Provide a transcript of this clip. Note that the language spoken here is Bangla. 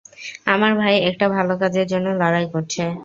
আমার ভাই একটা ভালো কাজের জন্য লড়াই করছে।